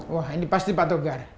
wah ini pasti fatogar